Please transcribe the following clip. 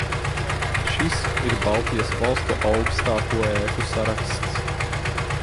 Šis ir Baltijas valstu augstāko ēku saraksts.